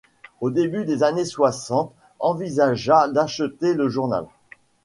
Au début des années soixante envisagea d'acheter le journal.